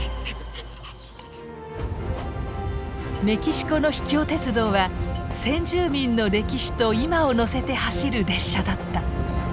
メキシコの秘境鉄道は先住民の歴史と今を乗せて走る列車だった。